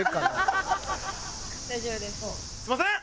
すみません！